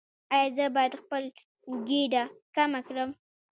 ایا زه باید خپل ګیډه کمه کړم؟